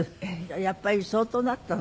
やっぱり相当だったのね。